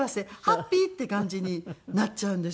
ハッピーっていう感じになっちゃうんですよ。